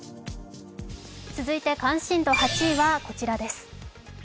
続いて関心度８位はこちらです。